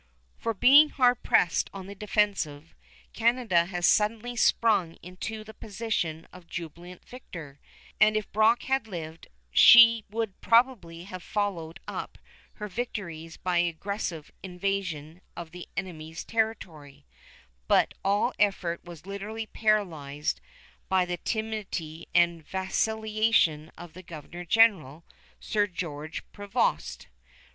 From being hard pressed on the defensive, Canada has suddenly sprung into the position of jubilant victor, and if Brock had lived, she would probably have followed up her victories by aggressive invasion of the enemy's territory; but all effort was literally paralyzed by the timidity and vacillation of the governor general, Sir George Prevost.